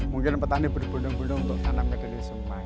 mungkin petani berbundung bundung untuk tanam kedelai semuanya